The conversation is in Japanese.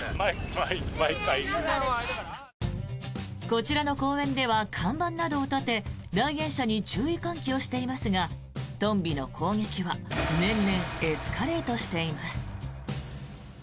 こちらの公園では看板などを立て来園者に注意喚起をしていますがトンビの攻撃は年々、エスカレートしています。